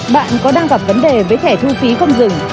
bạn có đang gặp vấn đề với thẻ thu phí không dừng